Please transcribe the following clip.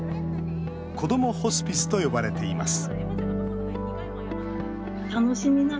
こどもホスピスと呼ばれています